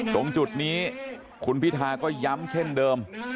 ตรงจุดนี้คุณพิธาก็ย้ำเช่นเดิม